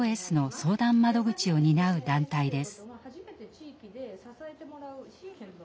相談窓口を担う団体です。